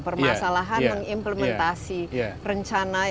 permasalahan mengimplementasi rencana